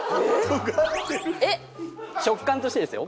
食感としてですよ？